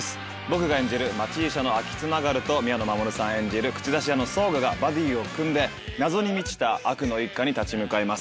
僕が演じる町医者の秋津永流と宮野真守さん演じる口出し屋の草臥がバディを組んで謎に満ちた悪の一家に立ち向かいます。